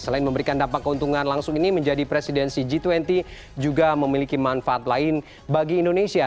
selain memberikan dampak keuntungan langsung ini menjadi presidensi g dua puluh juga memiliki manfaat lain bagi indonesia